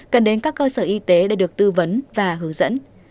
cần đến các cơ sở y tế để được tư vấn và hướng dẫn